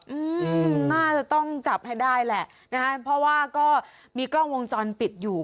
อืมน่าจะต้องจับให้ได้แหละนะฮะเพราะว่าก็มีกล้องวงจรปิดอยู่